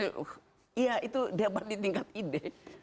iya itu dapat ditingkat ide